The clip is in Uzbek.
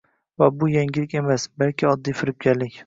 Va bu "yangilik" emas, balki oddiy firibgarlik